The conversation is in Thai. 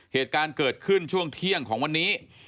เหตุการณ์เกิดขึ้นช่วงเที่ยงของวันนี้